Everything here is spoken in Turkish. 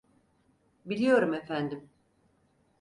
Biliyorum efendim.